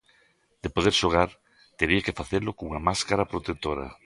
De poder xogar, tería que facelo cunha máscara protectora.